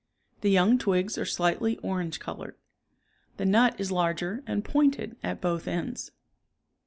The young twigs are slightly orange colored. The nut is larger and pointed at both ends.